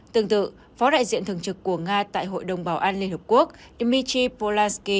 tương tự phó đại diện thường trực của nga tại hội đồng bảo an liên hợp quốc dmitry polaski